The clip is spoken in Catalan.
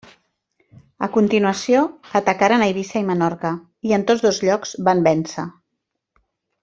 A continuació atacaren Eivissa i Menorca i, en tots dos llocs van vèncer.